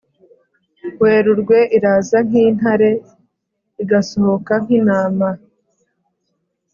werurwe iraza nk'intare igasohoka nk'intama